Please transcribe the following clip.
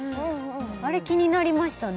あれ気になりましたね